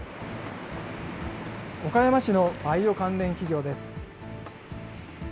岡山市のバイオ関連企業です。